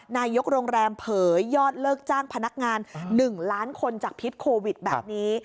นายกโรงแรมเผยยอดเลิกจ้างพนักงาน๑ล้านคนจากพิษโควิดแบบนี้